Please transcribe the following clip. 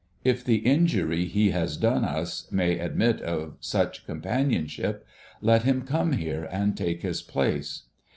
If the injury he has done us may admit of such companion ship, let him come here and take his place.